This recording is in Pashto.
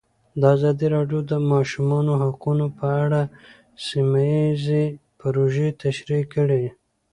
ازادي راډیو د د ماشومانو حقونه په اړه سیمه ییزې پروژې تشریح کړې.